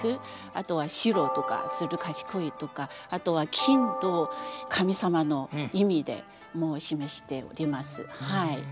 あとは白とかずる賢いとかあとは金神様の意味で示しております。